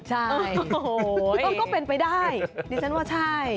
บ๊วยใช่ก็เป็นไปได้ฤดิต้อนรู้ว่าใช่